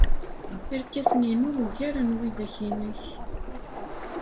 Irkasen-inu ugaren widak-nnek.